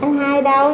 anh hai đâu